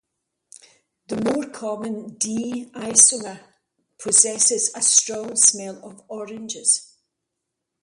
The more common "D"-isomer possesses a strong smell of oranges.